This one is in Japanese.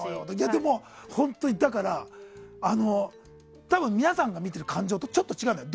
でも本当に多分、皆さんが見てる感情とちょっと違うんだよね。